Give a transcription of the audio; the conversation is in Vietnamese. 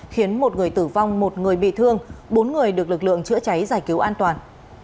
khiến một người tử vong một người bị thương bốn người được lực lượng chữa cháy giải cứu an toàn